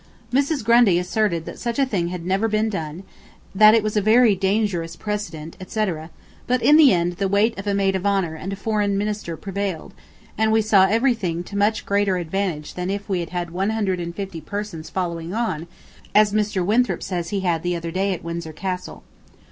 Mrs. Grundy asserted that such a thing had never been done, that it was a very dangerous precedent, etc., but in the end the weight of a Maid of Honor and a Foreign Minister prevailed, and we saw everything to much greater advantage than if we had 150 persons following on, as Mr. Winthrop says he had the other day at Windsor Castle.